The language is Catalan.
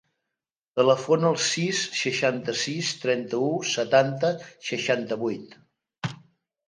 Telefona al sis, seixanta-sis, trenta-u, setanta, seixanta-vuit.